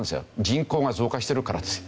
人口が増加してるからです。